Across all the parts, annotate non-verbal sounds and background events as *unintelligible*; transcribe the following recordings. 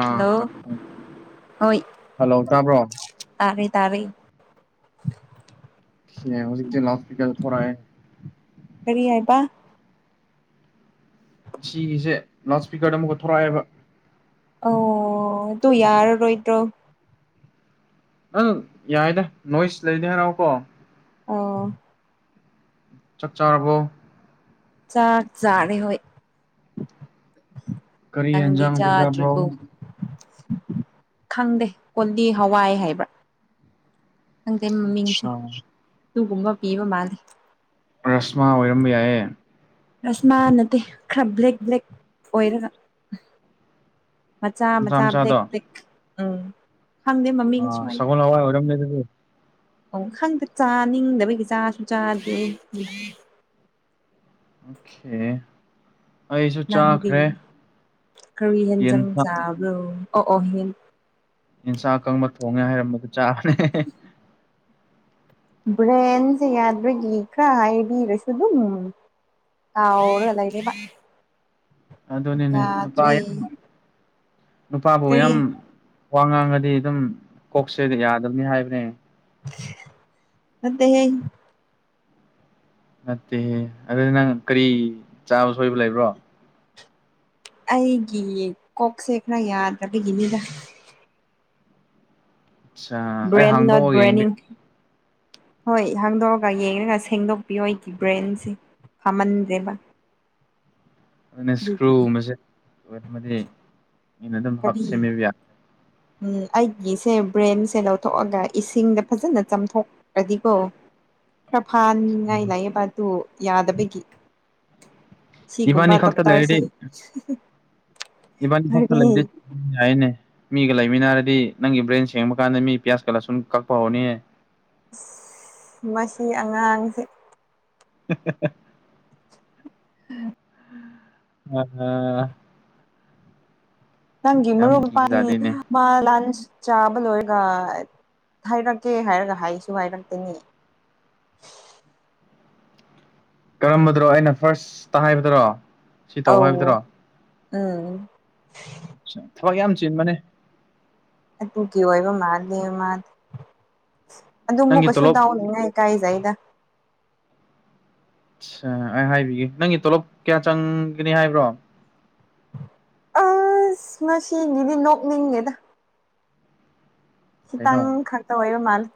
ꯑ ꯍꯜꯂꯣ ꯍꯣꯏ ꯍꯜꯂꯣ ꯇꯥꯕ꯭ꯔꯣ ꯇꯔꯦ ꯍ ꯍꯧꯖꯤꯛꯛꯇ ꯍꯁꯄꯤꯇꯥꯜ ꯊꯣꯔꯦ ꯀꯔꯤ ꯍꯥꯏꯕ ꯁꯤꯒꯤꯁꯦ ꯂꯥꯎꯠ ꯏꯁꯄꯤꯀꯔꯗ ꯑꯃꯨꯛꯀ ꯊꯣꯔꯛꯑꯦꯕ ꯑꯣ ꯇꯨꯡ ꯌꯥꯔ ꯔꯣꯣꯏꯗ꯭ꯔꯣ ꯑꯪ ꯌꯥꯏꯗ ꯅꯣꯏꯁ ꯂꯩꯗꯦ ꯍꯥꯏꯔꯥꯎꯑꯣꯀꯣ ꯑꯥ ꯆꯞ ꯆꯥꯔꯕꯣ ꯆꯥꯛꯥꯛ ꯆꯥꯔꯦ ꯍꯣꯏ ꯀꯔꯤ ꯅꯪꯗꯤ ꯌꯦꯟꯖꯥꯡ ꯄꯤꯖꯕ꯭ꯔꯣ ꯆꯥꯗ꯭ꯔꯤꯕꯔꯤꯕꯣ ꯈꯪꯗꯦ ꯀꯣꯟꯗꯤ ꯍꯋꯥꯏ ꯍꯥꯏꯕ꯭ꯔꯥ ꯍꯪꯗꯩ ꯃꯃꯤꯡꯁꯦ ꯑꯗꯨꯒꯨꯒꯨꯝꯕ ꯄꯤꯕ ꯃꯥꯜꯂꯤꯦ ꯔꯁꯃ ꯑꯣꯏꯔꯝꯕ ꯌꯥꯏꯌꯦ ꯔꯁꯃꯥ ꯅꯠꯇꯦ ꯈꯔ ꯕ꯭ꯂꯦꯛ ꯕ꯭ꯂꯦꯛ ꯑꯣꯏꯔꯒ ꯃꯆꯥ ꯃꯆꯥ ꯗ ꯗ ꯑ ꯁꯒꯅ ꯍꯋꯥꯏ ꯑꯣꯏꯔꯝ ꯑꯣ ꯈꯪꯗ ꯆꯥꯅꯤꯡꯗꯕꯒꯤ ꯆꯥꯁꯨ ꯆꯥꯗꯦ ꯑꯣꯦ ꯅꯪꯗꯤ ꯀꯧꯏ ꯌꯦꯟꯁꯥ ꯍꯦꯟꯖꯪꯖꯥꯕ꯭ꯔꯣ ꯑꯣ ꯑꯣꯍꯦꯟ ꯌꯦꯟꯁꯥ ꯑꯀꯪꯕ ꯊꯣꯡꯉꯦ ꯍꯥꯏꯔꯝꯕꯗꯨ ꯆꯥꯕꯅꯦ ꯕ꯭ꯔꯦꯟꯁꯦ ꯌꯥꯗꯒꯤ ꯈꯔ ꯍꯥꯏꯕꯤꯔꯁꯨ ꯑꯗꯨꯝ ꯇꯔ ꯌꯥꯗꯔꯤ ꯑꯗꯨꯅꯤꯅꯦ ꯅꯨꯄꯥ ꯌꯥꯝ ꯅꯨꯄꯥꯕꯨ ꯌꯥꯝ ꯋꯥ ꯉꯥꯡꯉꯗꯤ ꯑꯗꯨꯝ ꯀꯣꯛꯁꯦꯗ ꯌꯥꯗꯕꯅꯤ ꯍꯥꯏꯕꯅꯦ ꯑꯗꯦ ꯅꯠꯇꯦ ꯑꯗꯨꯗꯤ ꯅꯪ ꯀꯔꯤ ꯆꯥꯕ ꯁꯣꯏꯕ ꯂꯩꯕ꯭ꯔꯣ ꯑꯩꯒꯤ ꯀꯣꯛꯁꯦ ꯈꯅ ꯌꯥꯗ꯭ꯔꯕꯒꯤꯅꯤꯗ ꯑꯠꯆꯥ ꯑꯩ ꯕ꯭ꯔꯦꯟꯦꯟ ꯅꯠ ꯍꯥꯡꯗꯣꯛꯑꯒ ꯕ꯭ꯔꯦꯟꯅꯤ ꯌꯦꯡꯕꯤꯌꯨ ꯍꯣꯏ ꯍꯥꯡꯗꯣꯛꯑꯒ ꯌꯦꯡꯉꯒ ꯁꯦꯡꯗꯣꯛꯄꯤꯌꯣ ꯑꯩꯒꯤ ꯕ꯭ꯔꯦꯟꯁꯦ ꯐꯃꯟꯖꯦꯕ ꯑꯗꯨꯅ ꯏꯁꯀ꯭ꯔꯨ ꯃꯁꯦ ꯑꯣꯏ ꯑꯃꯗꯤ ꯃꯤꯩꯅ ꯑꯗꯨꯝ ꯍꯥꯞ ꯀꯔꯤ ꯁꯦꯝꯕꯤꯕ ꯌꯥ ꯎꯝ ꯑꯩꯒꯤꯁꯦ ꯕ꯭ꯔꯦꯟꯁꯦ ꯂꯧꯊꯣꯛꯑꯒ ꯏꯁꯤꯡꯗ ꯐꯖꯅ ꯆꯥꯝꯊꯣꯛꯈ꯭ꯔꯗꯤꯀꯣ ꯈꯔꯐꯥꯟꯉꯥꯏ ꯂꯩꯑꯕ ꯑꯗꯨ ꯌꯥꯗꯕꯒꯤ ꯁꯤꯒꯨꯝꯕ ꯏꯕꯥꯅꯤ ꯇꯞ ꯇꯥꯔꯤꯁꯦ ꯏꯕꯥꯗꯤ ꯐ ꯆ ꯂꯩꯗꯤ ꯌꯥꯅꯦ ꯃꯤꯒ ꯂꯩꯃꯤꯟꯅꯔꯗꯤ ꯅꯪꯒꯤ ꯕ꯭ꯔꯦꯟ ꯁꯦꯡꯕ ꯀꯥꯟꯗ ꯃꯤ ꯄꯤꯌꯥꯁꯀ ꯂꯥꯁꯟ ꯀꯛꯄ ꯍꯧꯅꯤ ꯑ ꯃꯁꯤ ꯑꯉꯥꯡꯁꯦ *inaudible* ꯎꯝ ꯑꯝ ꯅꯪꯒꯤꯤ ꯃ ꯔꯣꯝ ꯀꯤꯕꯖꯥꯠꯅꯤꯅꯦ ꯄ ꯂꯟ ꯆꯥꯕ ꯂꯣꯏꯔꯒ ꯍꯥꯏꯔꯛꯀꯦ ꯍꯥꯏꯔꯒ ꯍꯥꯏꯁꯨ ꯍꯥꯏꯔꯛꯇꯅꯤ *inaudible* ꯀꯔꯝꯕꯗꯅꯣ ꯑꯩꯅ ꯐꯥꯔꯁꯇ ꯍꯥꯏꯕꯗꯔꯣ ꯁꯤ ꯇꯧ ꯍꯥꯏꯕꯗꯨꯔꯣ ꯑꯥ ꯊꯕꯛ ꯌꯥꯝ ꯆꯤꯟꯕꯅꯦ ꯑꯗꯨꯨꯡ ꯀ ꯑꯣꯏꯕ ꯃꯥꯂꯕ ꯃꯥꯗꯦ ꯑꯗꯨ ꯑꯃꯨꯛ ꯅꯪꯒꯤ ꯀꯩꯁꯨ ꯇꯣꯂꯣꯞ ꯇꯎꯅꯤꯅ ꯏꯀꯥꯏꯖꯩꯗ ꯑꯆꯥ ꯑꯩ ꯍꯥꯏꯕꯤꯒꯦ ꯅꯪꯒꯤ ꯇꯣꯂꯣꯞ ꯀꯌꯥ ꯆꯪꯒꯅꯤ ꯍꯥꯏꯕ꯭ꯔꯣ ꯑꯁ ꯃꯁꯤꯅꯤꯗꯤ ꯅꯣꯛꯅꯤꯡꯉꯦꯗ ꯈꯤꯇꯪ ꯀꯩꯅꯣ ꯈꯛꯇ ꯑꯣꯏꯕ ꯃꯥꯜꯦ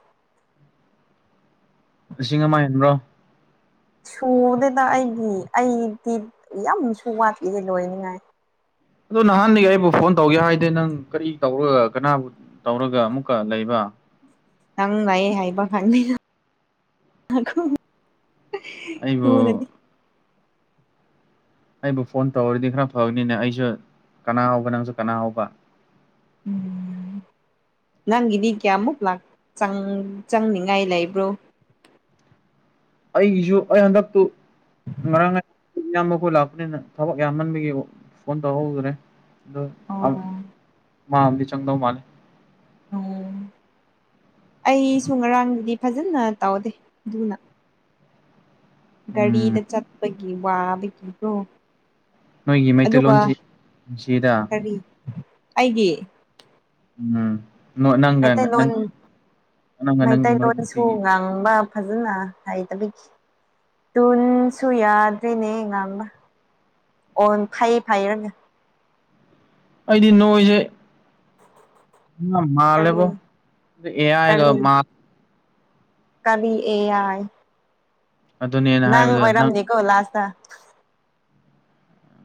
ꯂꯤꯁꯤꯡ ꯑꯃꯥꯏ ꯍꯟꯕ꯭ꯔꯣ ꯁꯨꯗꯗ ꯑꯩꯒꯤ ꯑꯩꯗꯤ ꯌꯥꯝꯁꯨ ꯋꯥꯠꯂꯤꯁꯦ ꯂꯣꯏꯅꯤꯡꯉꯥꯏ ꯑꯗꯣ ꯅꯍꯥꯟꯗꯒꯤ ꯑꯩꯕꯨ ꯐꯣꯟ ꯇꯧꯒꯦ ꯍꯥꯏꯗꯤꯦ ꯅꯪ ꯀꯔꯤ ꯇꯧꯔꯒ ꯀꯅꯥꯕꯨ ꯇꯧꯔꯒ ꯑꯃꯨꯛꯀ ꯂꯩꯕ ꯅꯪ ꯉ ꯍꯥꯏꯕ ꯈꯪꯅꯤ ꯇꯅꯗꯤ ꯑꯩꯕꯨ ꯑꯩꯕꯨ ꯐꯣꯟ ꯇꯧꯔꯔꯗꯤ ꯈꯔ ꯐꯕꯅꯤꯅꯦ ꯑꯩꯁꯨ ꯀꯅꯥ ꯍꯧꯕ ꯅꯪꯁꯨ ꯀꯅꯥ ꯍꯧꯕ ꯎꯝ ꯅꯪꯒꯤꯗꯤ ꯀꯌꯥꯃꯨꯛ ꯆꯪꯅꯤꯡꯉꯥꯏ ꯂꯩꯕ꯭ꯔꯣ *inaudible* *inaudible* ꯑꯩꯒꯤꯁꯨ ꯑꯩ ꯍꯟꯗꯛꯇꯨ ꯉꯔꯥꯡꯥꯏ ꯏꯌꯥꯝꯕ ꯑꯩꯈꯣꯏ ꯂꯥꯛꯄꯅꯤꯅ ꯊꯕꯛ ꯌꯥꯝꯃꯟꯕꯒꯤ ꯐꯣꯟ ꯇꯧꯍꯧꯗ꯭ꯔꯦ ꯑꯗꯣ ꯑꯣ ꯃꯥꯝꯗꯤ ꯆꯪꯗꯧ ꯃꯥꯜꯂꯦ ꯎꯝ ꯑꯩꯁꯨ ꯉꯔꯥꯡꯗꯗꯤ ꯐꯖꯅ ꯇꯧꯗꯦ ꯑꯗꯨꯅ ꯎꯝ ꯒꯥꯔꯤꯗ ꯆꯠꯄꯒꯤ ꯋꯥꯕꯒꯤꯗꯣ ꯅꯣꯏꯒꯤ ꯑꯗꯨꯒ ꯃꯩꯇꯩꯂꯣꯟꯁꯤ ꯅꯨꯡꯁꯤꯗ ꯀꯔꯤ ꯑꯩꯒꯤ ꯎꯝ ꯅꯪꯒ ꯅ ꯃꯩꯇꯩꯂꯣꯟ ꯅꯪꯒ ꯅꯪꯒꯤ ꯃꯔꯨꯞ ꯃꯩꯇꯩꯂꯣꯟꯁꯨ ꯅꯨꯄꯤꯒꯤ ꯉꯥꯡꯕ ꯐꯖꯅ ꯍꯥꯏꯇꯕꯤꯈꯤ ꯇꯨꯟꯁꯨ ꯌꯥꯗ꯭ꯔꯦꯅꯦ ꯉꯥꯡꯕ ꯑꯣ ꯐꯩ ꯐꯩꯔꯒ ꯑꯩꯗꯤ ꯅꯣꯏꯁꯦ ꯃꯥ ꯀꯔꯤ ꯂꯩꯦꯕꯣ ꯑꯦꯑꯒ ꯃꯥ ꯀꯕꯤ ꯑꯦ ꯌꯥꯏ ꯑꯗꯨꯅꯦꯅ ꯅꯪ ꯍꯥꯏꯕꯗꯣ ꯑꯣꯏꯔꯝꯗꯤꯦ ꯀꯣ ꯂꯥꯁꯇ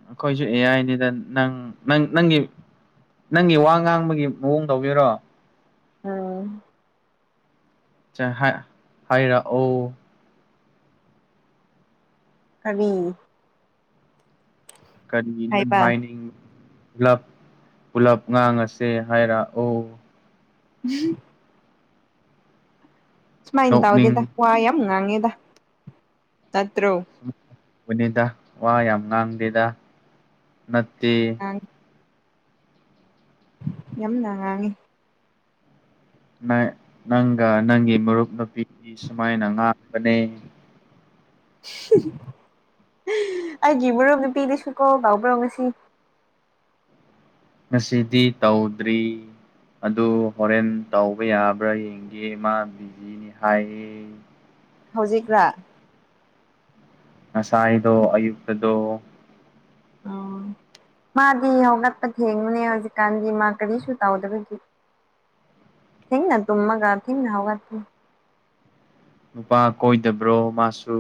ꯑꯩꯈꯣꯏꯁꯨ ꯑꯦ ꯑꯥꯏꯅꯤꯗ ꯅꯪ ꯅꯪ ꯅꯪꯒꯤ ꯅꯪꯒꯤ ꯋꯥ ꯉꯥꯡꯕꯒꯤ ꯃꯑꯣꯡ ꯇꯧꯕꯤꯔꯣ ꯑꯝ ꯍꯥꯏ ꯍꯥꯏꯔꯥ ꯑꯣ ꯀꯕꯤ ꯀꯔꯤꯅꯤ ꯍꯥꯏꯕ ꯍꯥꯏꯅꯤꯡꯕ ꯄꯨꯂꯞ ꯄꯨꯂꯞ ꯉꯥꯡꯉꯁꯦ ꯍꯥꯏꯔꯛꯑꯣ ꯎꯝ ꯁꯨꯃꯥꯏꯅ ꯇꯥꯎꯗꯦꯗ ꯋꯥ ꯌꯥꯝ ꯉꯥꯡꯉꯦꯗ ꯅꯠꯇ꯭ꯔꯣ ꯎꯅꯤꯗ ꯋꯥ ꯌꯥꯝ ꯉꯥꯡꯗꯦꯗ ꯅꯠꯇꯦ ꯉꯥꯡꯉꯤ ꯌꯥꯝꯅ ꯉꯥꯡꯉꯤ ꯅꯪꯒ ꯅꯪꯒꯤ ꯃꯔꯨꯞ ꯅꯨꯄꯤꯒꯤ ꯁꯨꯃꯥꯏꯅ ꯉꯥꯡꯕꯅꯦ ꯑꯩꯒꯤ ꯃꯔꯨꯞ ꯅꯨꯄꯤꯗꯨꯁꯨ ꯀꯣ ꯕꯥꯎꯕ꯭ꯔꯣ ꯉꯁꯤ ꯉꯁꯤꯗꯤ ꯇꯧꯗ꯭ꯔꯤ ꯑꯗꯨ ꯍꯣꯔꯦꯟ ꯇꯧꯕ ꯌꯥꯕ꯭ꯔꯥ ꯌꯦꯡꯒꯦ ꯃꯥ ꯕꯤꯖꯤꯅꯤ ꯍꯥꯏꯌꯦ ꯍꯧꯖꯤꯛꯅ ꯉꯁꯥꯏꯗꯣ ꯑꯌꯨꯛꯇꯗ ꯑ ꯃꯥꯗꯤ ꯍꯧꯒꯠꯄ ꯊꯦꯡꯉꯨꯅꯦ ꯍꯧꯖꯤꯛꯀꯥꯟꯒꯤ ꯃꯥ ꯀꯔꯤꯁꯨ ꯇꯧꯗꯕꯒꯦ ꯊꯦꯡꯤꯡ ꯇꯨꯃꯒ ꯊꯦꯡꯤꯡ ꯍꯧꯋꯥꯗꯤ ꯅꯨꯄꯥ ꯀꯣꯏꯗꯕ꯭ꯔꯣ ꯃꯥꯁꯨ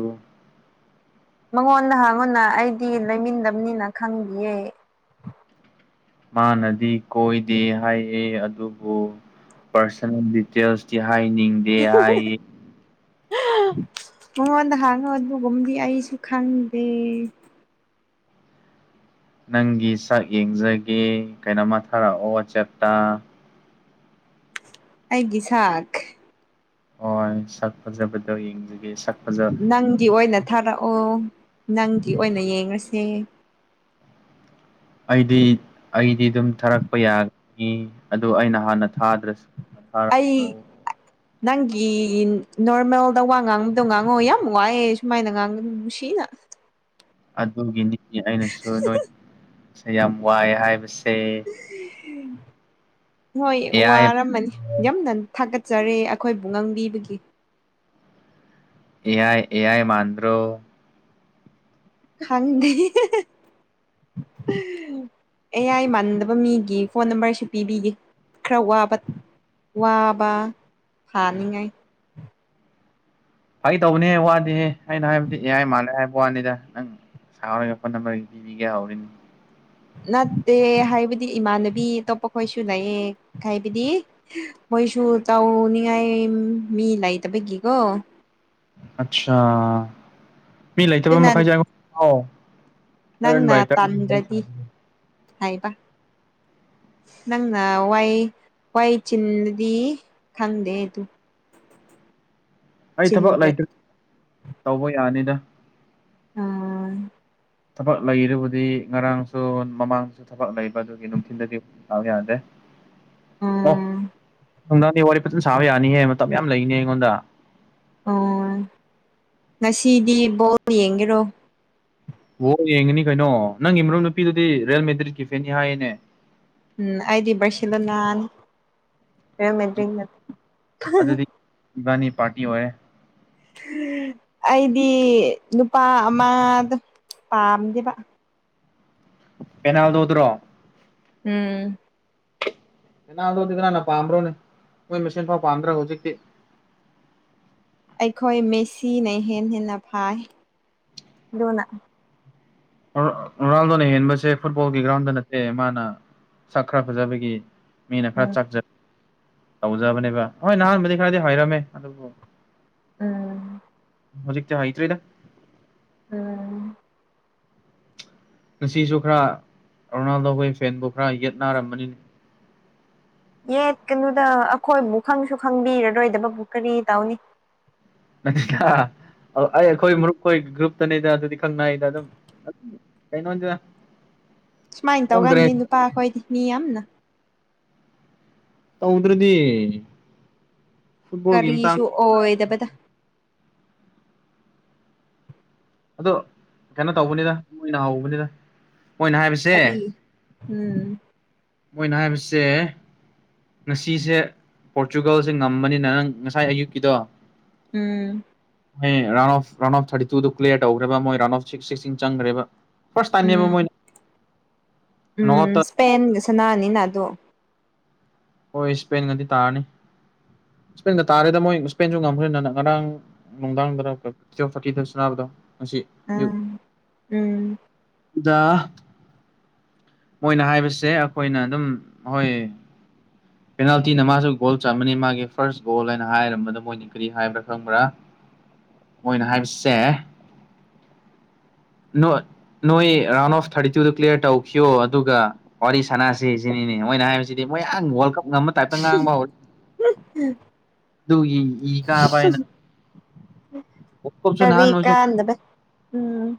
ꯃꯉꯣꯟꯗꯍꯪꯉꯨꯅ ꯑꯩꯗꯤ ꯂꯩꯃꯤꯟꯅꯗꯕꯅꯤꯅ ꯈꯪꯕꯤꯌꯦꯦ ꯃꯥꯅꯗꯤ ꯀꯣꯏꯗꯦ ꯍꯥꯏꯑ ꯑꯗꯨꯕꯨ ꯄꯥꯔꯁꯣꯅꯦꯜ ꯗꯤꯇꯦꯜꯁꯇꯤ ꯍꯥꯏꯅꯤꯡꯗꯦ ꯍꯥꯏꯌꯦ ꯃꯉꯣꯟꯗ ꯍꯥꯟꯉꯨ ꯑꯗꯨꯒꯨꯝꯗꯤ ꯑꯩꯁꯨ ꯈꯪꯗꯦ ꯅꯪꯒꯤ ꯁꯛ ꯌꯦꯡꯖꯒꯦ ꯀꯩꯅꯣꯝꯃ ꯊꯥꯔꯛꯑꯣ ꯋꯥꯆꯦꯇꯥ ꯑꯩꯒꯤ ꯁꯥꯥꯛ ꯍꯣꯏ ꯁꯠ ꯐꯖꯕꯗ ꯌꯦꯡꯖ ꯅꯪꯗꯤ ꯑꯣꯏꯅ ꯊꯥꯔꯛꯑꯣ ꯅꯪꯗꯤ ꯑꯣꯏꯅ ꯌꯦꯡꯉꯁꯦ ꯑꯩꯗꯤ ꯑꯩꯗꯤ ꯑꯗꯨꯝ ꯊꯥꯔꯛꯄ ꯌꯥꯒꯅꯤ ꯑꯗꯨ ꯑꯩꯅ ꯍꯥꯟꯅ ꯑꯩ ꯊꯥꯗ꯭ꯔꯁꯤ ꯅꯪꯒꯤ ꯅꯣꯔꯃꯦꯜꯗ ꯋꯥ ꯉꯥꯡꯕꯗꯣ ꯉꯥꯡꯉꯣ ꯌꯥꯝ ꯋꯥꯑꯦ ꯁꯨꯃꯥꯏꯅ ꯉꯥꯡꯕ ꯅꯨꯡꯁꯤꯅ *inaudible* ꯑꯗꯨꯒꯤꯅꯤ ꯑꯩꯅꯁꯨ ꯅꯣꯏꯁ ꯌꯥꯝ ꯋꯥꯏ ꯍꯥꯏꯕꯁꯦ ꯍꯣꯏ ꯑꯦ ꯑꯥꯏ ꯋꯥꯔꯝꯃꯅꯤ ꯌꯥꯝꯝꯗꯅꯤ ꯊꯥꯒꯠꯆꯔꯦ ꯑꯩꯈꯣꯏꯕꯨ ꯉꯥꯡꯕꯤꯕꯒꯤ ꯑꯦꯌꯥꯥꯏ ꯑꯦꯌꯥꯥꯏ ꯃꯥꯟꯗ꯭ꯔꯣ ꯈꯪꯗ ꯑꯦꯌꯥꯏ ꯃꯥꯟꯗꯕ ꯃꯤꯒꯤ ꯐꯣꯟ ꯅꯝꯕꯔꯁꯤ ꯄꯤꯕꯤꯒꯦ ꯈꯔ ꯋꯥꯕ ꯋꯥꯕ ꯐꯥꯅꯤꯡꯉꯥꯏ ꯐꯒꯤ ꯇꯧꯕꯅꯦꯍ‌ꯦ ꯋꯥꯗ‌ꯦꯍ‌ꯦ ꯑꯩꯅ ꯍꯥꯏꯕꯗꯤ ꯑꯦꯑꯥꯏ ꯃꯥꯜꯂꯦ ꯍꯥꯏꯕꯅ‌ꯦ ꯋꯥꯅꯤꯗ ꯅꯪ ꯁꯥꯥꯎꯔꯒ ꯐꯣꯟ ꯅꯝꯕꯔ ꯄꯤꯕꯤꯒꯦ ꯍꯧꯔꯤꯅꯤ ꯅꯠꯇꯦ ꯍꯥꯏꯕꯗꯤ ꯏꯃꯥꯟꯅꯕꯤ ꯑꯇꯣꯞꯄ ꯈꯣꯏꯁꯨ ꯂꯩꯌꯦ ꯍꯥꯏꯕꯗꯤ ꯈꯣꯏꯁꯨ ꯇꯥꯎ ꯅꯤꯡꯉꯥꯏ ꯃꯤ ꯂꯩꯇꯄꯒꯤꯀꯣ ꯑꯆꯥꯥ ꯃꯤ ꯂꯩꯇꯕ ꯑꯗꯨꯅ ꯃꯈꯩꯁ‌ꯩ ꯑꯥꯎ ꯅꯪꯅ ꯇꯟꯗ꯭ꯔꯗꯤ ꯍꯥꯏꯕ ꯅꯪꯅ ꯋꯥꯏ ꯋꯥꯏ ꯆꯤꯜꯂꯗꯤ ꯈꯪꯗꯦ ꯗꯨ ꯑꯩ ꯊꯕꯛ ꯂꯩꯇ꯭ꯔꯦ ꯇꯧꯕ ꯌꯥꯅꯤꯗ꯫ ꯑꯥ꯫ ꯊꯕꯛ ꯂꯩꯔꯕꯨꯗꯤ ꯉꯔꯥꯡꯁꯨ ꯃꯃꯥꯡꯁꯨ ꯊꯕꯛ ꯂꯩꯕ ꯑꯗꯨꯒꯤ ꯅꯨꯡꯊꯤꯗꯒꯤ ꯗꯥꯎ ꯌꯥꯗꯦ ꯑꯣ꯫ ꯑꯥ ꯈꯪꯗꯅꯤ ꯋꯥꯔꯤ ꯐꯖꯟ ꯁꯥꯕ ꯌꯥꯅꯤꯍꯦ ꯃꯇꯝ ꯌꯥꯝ ꯂꯩꯅꯤ ꯑꯩꯉꯣꯟꯗ꯫ ꯑꯣ ꯉꯁꯤꯗꯤ ꯕꯣꯜ ꯌꯦꯡꯒꯦꯔꯣ꯫ ꯋꫭ ꯌꯦꯡꯉꯅꯤ ꯀꯩꯅꯣ ꯅꯪꯒꯤ ꯃꯔꯨꯞ ꯅꯨꯄꯤꯗꯨꯗꯤ ꯔꯤꯌꯦꯜ ꯃꯦꯗ꯭ꯔꯤꯠꯀꯤ ꯐꯦꯟꯅꯤ ꯍꯥꯏꯌꯦꯅꯦ꯫ ꯎꯝ ꯑꯩꯗꯤ ꯕꯔꯁꯤꯂꫭꯅꯤꯅꯤ꯫ ꯔꯦꯜ ꯃꯦꯗꯔꯤ ꯅ ꯑꯗꯨꯗꯤ ꯏꯕꯥꯅꯤ ꯄꯥꯔꯇꯤ ꯑꯣꯏ꯫ ꯑꯥ ꯑꯩꯗꯤ ꯅꯨꯄꯥ ꯑꯃꯗ‌ꯣ ꯄꯥꯝꯗꯦꯕ꯫ ꯄꯦꯅꯥꯜꯗꯣ ꯗꯨꯔꯣ? ꯎꯝ꯫ ꯄꯦꯅꯥꯜꯗꯣꯗꯤ ꯀꯅꯥꯅ ꯄꯥꯝꯕ꯭ꯔꯣꯅꯦ ꯃꯣꯏ ꯃꯁꯦꯟꯐꯥꯎ ꯄꯥꯝꯗ꯭ꯔꯥ ꯍꯧꯖꯤꯛꯇꯤ꯫ ꯑꯩꯈꯣꯏ ꯃꯦꯁꯤꯅ ꯏꯍꯦꯟ ꯍꯦꯟꯅ ꯐꯥꯏ ꯑꯗꯨꯅ ꯔꫭ ꯔꯣꯅꯥꯜꯗꯣꯅ ꯍꯦꯟꯕꯁꯦ ꯐꯨꯠꯕꯣꯜꯒꯤ ꯒ꯭ꯔꯥꯎꯟꯗ ꯅꯠꯇꯦ ꯃꯥꯅ ꯁꯛ ꯈ꯭ꯔ ꯐꯖꯕꯒꯤ ꯃꯤꯅ ꯈꯔ ꯎꯝ ꯆꯥꯛꯖ ꯇꯧꯖꯕꯅꯦꯕ ꯍꯣꯏ ꯅꯍꯥꯟꯕꯨꯗꯤ ꯈꯔꯗꯤ ꯍꯥꯏꯔꯝꯃꯦ ꯑꯗꯨꯕꯨ ꯎꯝ꯫ ꯍꯧꯖꯤꯛꯇꯤ ꯍꯥꯏꯇꯔꯤꯗ꯫ ꯎꯝ꯫ ꯉꯁꯤꯁꯨ ꯈꯔ ꯔꯣꯅꯥꯜꯗꯣꯈꯣꯏ ꯐꯦꯟꯕꯨ ꯈꯔ ꯌꯦꯠꯅꯔꯝꯕꯅꯤꯅꯦ꯫ ꯌꯦꯠ ꯀꯩꯅꯨꯗ ꯑꯈꯣꯏꯕꯨ ꯈꯪꯁꯨ ꯈꯪꯕꯤꯔꯔꯣꯏꯗꯕꯕꯨ ꯀꯔꯤ ꯇꯧꯅꯤ꯫ *unintelligible* ꯑꯩ ꯑꯩꯈꯣꯏ ꯃꯔꯨꯞ ꯑꯩꯈꯣꯏ ꯒ꯭ꯔꯨꯞꯇꯅꯤꯗ ꯑꯗꯨꯗꯤ ꯈꯪꯅꯩꯗ ꯑꯗꯨꯝ ꯀꯩꯅꯣꯗ꯫ ꯁꯨꯃꯥꯏꯅ ꯇꯧꯒꯟꯅꯤ ꯅꯨꯄꯥ ꯈꯣꯏꯗꯤ ꯃꯤ ꯌꯥꯝꯅ꯫ ꯇꯧꯗ꯭ꯔꯗꯤ꯫ ꯐꯨꯠꯕꯣꯜꯒꯤ ꯃꯇꯥꯡ ꯀꯔꯤꯁꯨ ꯑꯣꯏꯗꯕꯗ꯫ ꯑꯗꯣ ꯀꯩꯅꯣ ꯇꯧꯕꯅꯤꯗ ꯃꯣꯏꯅ ꯍꯧꯕꯅꯤꯗ ꯃꯣꯏꯅ ꯍꯥꯏꯕꯁꯦ ꯀꯔꯤ ꯎꯝ꯫ ꯃꯣꯏꯅ ꯍꯥꯏꯕꯁꯦ ꯉꯁꯤꯁꯦ ꯄꯣꯔꯇꯨꯒꯜꯁꯦ ꯉꯝꯕꯅꯤꯅ ꯅꯪ ꯉꯁꯥꯏ ꯑꯌꯨꯛꯀꯤꯗꯣ ꯎꯝ꯫ ꯃꯣꯏ round of round of thirty ꯇꯨꯗꯨ ꯀ꯭ꯂꯤꯌꯥꯔ ꯇꯧꯈ꯭ꯔꯕ ꯃꯣꯏ ꯔꯟ ꯑꯣꯐ ꯁꯤꯛꯁꯇꯤꯡ ꯆꯪꯈ꯭ꯔꯦꯕ꯫ ꯐꯔꯁ ꯇꯥꯥꯝꯅꯦꯕ ꯎꯝ ꯃꯣꯏꯅ ꯎꯝ ꯅꯣꯡꯑꯥꯎꯠꯇ ꯁꯄꯦꯟꯒ ꯁꯅꯥꯅꯤꯅ ꯑꯗꯣ꯫ ꯍꯣꯏ ꯁ꯭ꯄꯦꯟꯒꯗꯤ ꯇꯥꯔꯅꯤ ꯁ꯭ꯄꯦꯟꯒ ꯇꯥꯔꯦꯗ ꯃꯣꯏ ꯏꯁꯄꯦꯟꯁꯨ ꯉꯝꯈ꯭ꯔꯦꯅ ꯉꯔꯥꯡ ꯅꯨꯡꯗꯥꯡꯗꯔ ꯇꯨꯋꯦꯜꯚ ꯊꯔꯇꯤꯗ ꯁꯨꯅꯥꯅꯕꯗꯣ ꯉꯁꯤ ꯑꯌꯨꯛ꯫ ꯎꯝ ꯎꯝ ꯗꯥ ꯃꯣꯏꯅ ꯍꯥꯏꯕꯁꯦ ꯑꯈꯣꯏꯅ ꯑꯗꯨꯝ ꯍꯣꯏ ꯄꯦꯅꯥꯜꯇꯤꯅ ꯃꯥꯁꯨ ꯒꯣꯜ ꯆꯥꯟꯃꯅꯤ ꯃꯥꯒꯤ ꯐꯥꯔꯁ ꯒꯣꯜ ꯍꯥꯏꯅ ꯍꯥꯏꯔꯝꯕꯗ ꯃꯣꯏꯅꯤ ꯀꯔꯤ ꯍꯥꯏꯕ꯭ꯔꯥ ꯈꯪꯕ꯭ꯔꯥ꯫ ꯃꯣꯏꯅ ꯍꯥꯏꯕꯁꯦ *inaudible* ꯅꯣꯏ ꯅꫭꯏ ꯔꯥꯎꯟ ꯑꯣꯐ ꯊꯥꯔꯇꯤ ꯇꯨꯗ ꯀ꯭ꯂꯤꯌꯥꯔ ꯇꯧꯈꯤꯕꯌꯣ ꯑꯗꯨꯒ ꯋꯥꯔꯤ ꯁꯅꯥꯁꯦ ꯁꯤꯅꯤꯅꯦ꯫ ꯃꯣꯏꯅ ꯍꯥꯏꯕꯁꯤꯗꯤ ꯃꯣꯏ ꯑꯥꯡ ꯋꯥꯜ ꯀꯞ ꯉꯝꯕ ꯇꯥꯏꯞꯇ ꯉꯥꯡꯕ ꯍꯧ ꯑꯗꯨꯒꯤ ꯏ ꯀꯥꯕ ꯑꯩꯅ ꯀꯔꯤ ꯀꯥꯟꯗꯕ ꯎꯝ꯫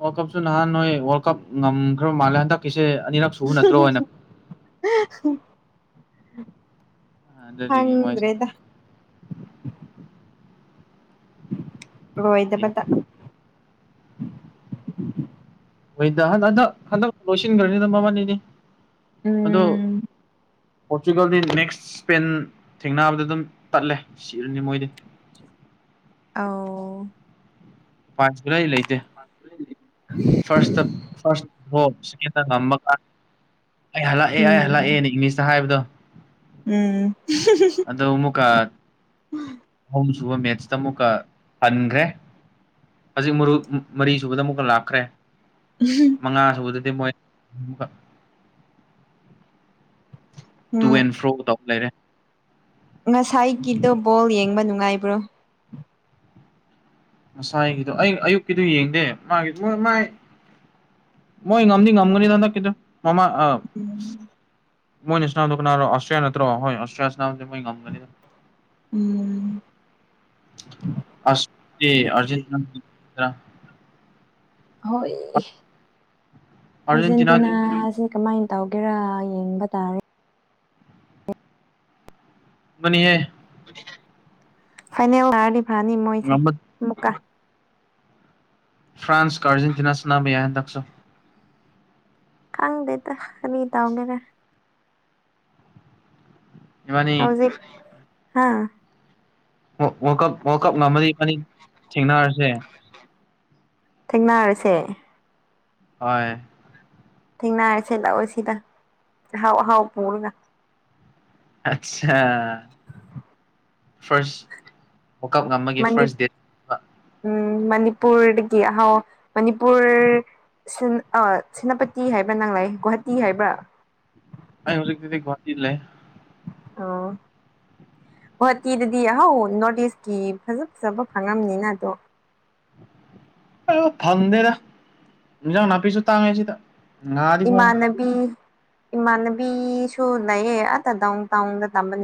ꯋꯥꯔꯜ ꯀꯞꯁꯨ ꯅꯍꯥꯟ ꯅꯣꯏ ꯋꯥꯔꯜ ꯀꯞ ꯉꯝꯈ꯭ꯔ ꯃꯥꯜꯂꯦ ꯍꯟꯗ ꯀꯤꯁꯦ ꯑꯗꯨꯗꯒꯤ *unintelligible* ꯍ꯭ꯔꯦꯗ ꯑꫭꯏꯗꯕ ꯃꯣꯏꯁ ꯗ ꯍꯣꯏꯗ ꯍꯟ ꯍꯟꯗꯛ ꯍꯟꯗꯛ ꯂꯣꯏꯁꯤꯟꯈ꯭ꯔꯅꯤꯗ ꯃꯕꯥꯅꯤꯗꯤ ꯑꯗꯣ ꯎꯝ ꯄꯣꯔꯇꯨꯒꯜꯗꯤ ꯅꯦꯛꯁ ꯏꯁꯄꯦꯟ ꯊꯦꯡꯅꯕꯗ ꯑꯗꯨꯝ ꯇꯠꯂꯦ ꯁꯤꯔꯅꯤ ꯃꯣꯏꯗꯤ ꯑꯧ ꯄꯥꯔꯠꯁ ꯀꯨꯂꯩ ꯂꯩ ꯄꯥꯔꯁ ꯀꯨꯂꯩ ꯂꯩ ꯐꯥꯔꯁꯇ ꯐꯥꯔꯁ ꯕꫭꯕ ꯁꯦꯀꯦꯟꯗꯅ ꯃꯪꯉꯥ ꯑꯩ ꯍꯜꯂꯛꯑꯦ ꯑꯩ ꯎꯝ ꯍꯜꯂꯛꯑꯦꯅ ꯏꯪꯂꯤꯁꯇ ꯍꯥꯏꯕꯗꯣ ꯎꯝ ꯑꯗꯣ ꯎꯃꯨꯀꯥ ꯁꯨꯕ ꯃꯦꯠꯁ ꯇ ꯃꯨꯠꯀ ꯍꯟꯒ꯭ꯔꯦ ꯍꯧꯖꯤꯛ ꯃꯔꯨ ꯃꯔꯤ ꯁꯨꯕꯗ ꯑꯃꯨꯛꯀ ꯂꯥꯛꯈ꯭ꯔꯦ ꯃꯉꯥ ꯁꯨꯕꯗꯗꯤ ꯃꯣꯏ ꯑꯃꯨꯛꯀ ꯇꯨ ꯑꯦꯟ ꯐ꯭ꯔꯣ ꯇꯧ ꯂꯩꯔꯦ ꯉꯁꯥꯏꯒꯤꯗꯨꯣ ꯕꯣꯜ ꯌꯦꯡꯕ ꯅꯨꯡꯉꯥꯏꯕ꯭ꯔꯣ ꯉꯁꯥꯏꯒꯤꯗꯣ ꯑꯩ ꯑꯌꯨꯛꯀꯤꯗꯨ ꯌꯦꯡꯗꯦ ꯃꯥꯒꯤ ꯃꫭꯏ ꯃꯥꯏ ꯃꯣꯏ ꯉꯝꯗꯤ ꯉꯝꯒꯅꯤꯗ ꯍꯟꯗꯛꯀꯤꯗꯨ ꯃꯃꯥ ꯑ ꯃꯣꯏꯅ ꯁꯅꯥꯕꯗꯨ ꯀꯅꯥꯔꫭ ꯑꯁꯇ꯭ꯔꯤꯌꯥ ꯅꯠꯇ꯭ꯔꯣ ꯍꫭꯏ ꯑꯁꯇ꯭ꯔꯤꯌꯥ ꯁꯅꯥꯕꯗꯤ ꯃꯣꯏ ꯉꯝꯒꯅꯤꯗ ꯎꯝ ꯑꯁ ꯇꯦ ꯑꯔꯖꯦꯟꯇꯤꯅꯥ *unintelligible* ꯍꯣꯏ ꯑꯥꯔꯖꯦꯟꯇꯤꯅꯥ ꯑꯔꯖꯦꯟꯇꯤꯅꯥꯁꯤ ꯀꯃꯥꯏꯅ ꯇꯧꯒꯦꯔꯥ ꯌꯦꯡꯕ ꯇꯥꯔꯦ ꯃꯅꯤꯑꯦ ꯐꯥꯏꯅꯦꯜ ꯊꯥꯔꯗꯤ ꯐꯥꯅꯤ ꯃꯣꯏꯁꯦ ꯉꯝꯕ ꯑꯃꯨꯛꯀꯥ ꯐ꯭ꯔꯥꯟꯁꯀ ꯑꯥꯔꯖꯦꯟꯇꯤꯅꯥ ꯁꯅꯥꯕ ꯌꯥꯏ ꯍꯟꯗꯛꯁꯨ ꯈꯪꯗꯦꯇ ꯀꯔꯤ ꯇꯧꯒꯦꯔꯥ ꯏꯕꯥꯅꯤ ꯍꯧꯖꯤꯛ ꯍꯥ ꯋꯥꯔꯜ ꯀꯞ ꯋꯥꯔꯜ ꯀꯞ ꯉꯝꯃꯗꯤ ꯏꯕꯥꯅꯤ ꯊꯦꯡꯅꯥꯔꯁꯦ ꯊꯦꯡꯅꯥꯔꯁꯦ ꯍꯣꯏ ꯊꯦꯡꯅꯥꯔꯁꯦ ꯂꯥꯑꯣ ꯁꯤꯗ ꯑꯍꯥꯎ ꯑꯍꯥꯎ ꯄꯨꯔꯒ ꯑꯠꯁꯥ ꯐꯔꯁ ꯋꯥꯀꯞ ꯉꯝꯕꯒꯤ ꯃꯅꯤ ꯐꯥꯔꯁ ꯗꯦꯠ ꯎꯝ ꯃꯅꯤꯄꯨꯔꯗꯒꯤ ꯍꯥꯎ ꯃꯅꯤꯄꯨꯔ ꯁꯤꯝ ꯑꯥ ꯁꯦꯅꯥꯄꯇꯤ ꯍꯥꯏꯕ꯭ꯔꯥ ꯅꯪ ꯂꯩ ꯒꯨꯍꯥꯇꯤ ꯍꯥꯏꯕ꯭ꯔꯥ ꯑꯩ ꯍꯧꯖꯤꯛꯀꯤꯗꯤ ꯒꯨꯍꯥꯇꯤꯗ ꯂꯩ ꯑꫭ ꯒꯨꯍꯥꯇꯤꯗꯗꯤ ꯑꯍꯥꯎ ꯅꯣꯔꯠ ꯏꯁꯀꯤ ꯐꯖ ꯐꯖꯕ ꯐꯪꯉꯝꯅꯤꯅ ꯗꯣ ꯑꯥ ꯐꯪꯗꯦꯗ ꯏꯟꯁꯥꯡ ꯅꯥꯄꯤꯁꯨ ꯇꯥꯡꯉꯦꯁꯤꯗ ꯏꯃꯥꯟꯅꯕꯤ ꯏꯃꯥꯟꯅꯕꯤꯁꯨ ꯂꯩꯌꯦ ꯑꯥꯗ ꯗꯥꯎꯟ ꯇꯥꯎꯟꯗ ꯇꯝꯕꯅꯦ